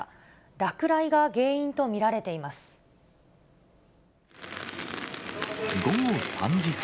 落雷が原因と見られています。